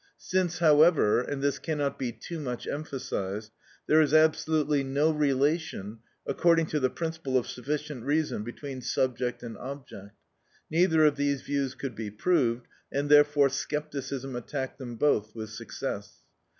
Since however, and this cannot be too much emphasised, there is absolutely no relation according to the principle of sufficient reason between subject and object, neither of these views could be proved, and therefore scepticism attacked them both with success.